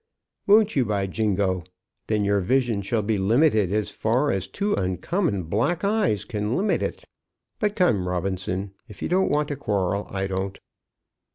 "Won't you, by jingo! Then your vision shall be limited, as far as two uncommon black eyes can limit it. But come, Robinson, if you don't want to quarrel, I don't."